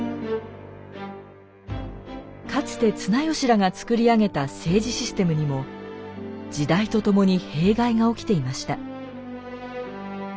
かつて綱吉らが作り上げた政治システムにも時代とともに弊害が起きていました。